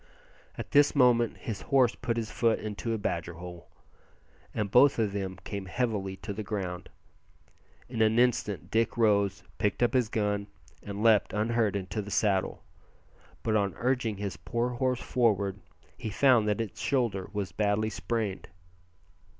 At this moment his horse put his foot into a badger hole, and both of them came heavily to the ground. In an instant Dick rose, picked up his gun, and leaped unhurt into the saddle. But on urging his poor horse forward he found that its shoulder was badly sprained.